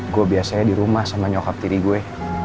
gue biasanya dirumah sama nyokap tiri gue